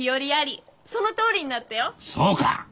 そうか！